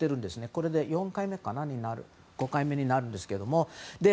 これで４回目か５回目になるんですけども。